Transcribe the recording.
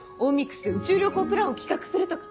Ｍｉｘで宇宙旅行プランを企画するとか。